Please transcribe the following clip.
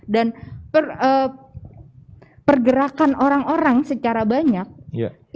dan pergerakan orang orang secara banyak itu bisa mengkolapskan pandemi